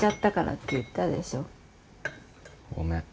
ごめん。